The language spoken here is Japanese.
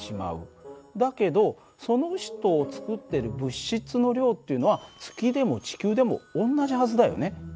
だけどその人を作っている物質の量っていうのは月でも地球でも同じはずだよね。